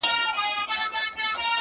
زه چي الله څخه ښكلا په سجده كي غواړم؛